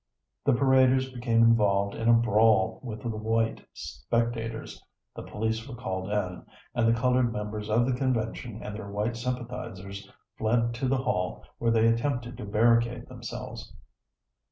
The paraders became involved in a brawl with the white spectators; the police were called in; and the colored members of the convention and their white sympathizers fled to the hall where they attempted to barricade themselves.